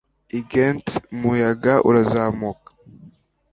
i ghent umuyaga urazamuka